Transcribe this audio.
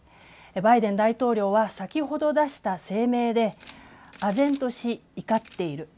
バイデン大統領は先ほど出した声明であぜんとし、怒っている。